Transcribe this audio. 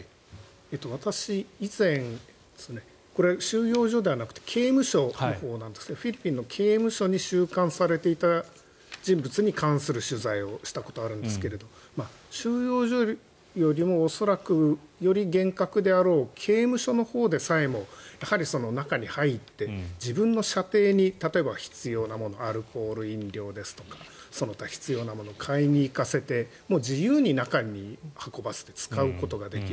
私、以前収容所ではなくて刑務所のほうですがフィリピンの刑務所に収監されていた人物に関する取材をしたことがあるんですが収容所よりも恐らくより厳格であろう刑務所のほうでさえも中に入って自分の舎弟に例えば、必要なものアルコール飲料ですとかその他必要なものを買いに行かせて自由に中に運ばせて使うことができる。